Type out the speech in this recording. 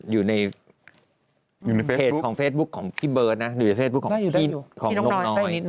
อยู่ในเฟซบุ๊กของพี่เบิร์ดนะอยู่ในเฟซบุ๊กของพี่นกน้อยของนกจ้ะนี่